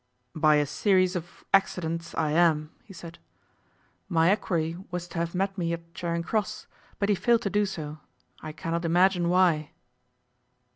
'By a series of accidents I am,' he said. 'My equerry was to have met me at Charing Cross, but he failed to do so I cannot imagine why.